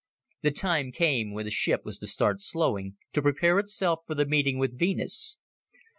The time came when the ship was to start slowing, to prepare itself for the meeting with Venus.